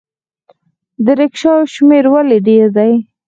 د ریکشاوو شمیر ولې ډیر دی؟